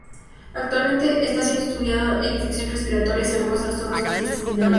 Actualmente está siendo estudiada en infecciones respiratorias y algunos trastornos gastrointestinales.